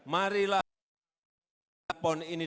marilah membangun pon ini